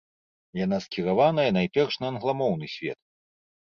Яна скіраваная найперш на англамоўны свет.